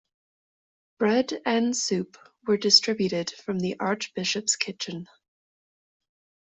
Bread and soup were distributed from the archbishop's kitchen.